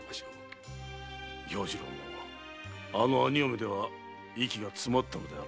要次郎もあの兄嫁では息が詰まったのやも。